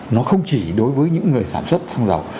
nó không chỉ đối với những người sản xuất xăng dầu